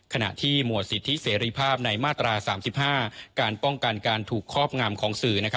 ขณะที่หมวดสิทธิเสรีภาพในมาตรา๓๕การป้องกันการถูกครอบงำของสื่อ